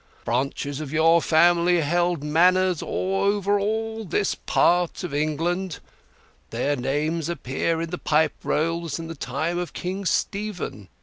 Branches of your family held manors over all this part of England; their names appear in the Pipe Rolls in the time of King Stephen.